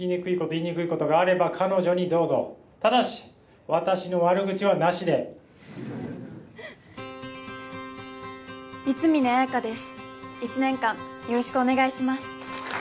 言いにくいことがあれば彼女にどうぞただし私の悪口はなしで光峯綾香です１年間よろしくお願いします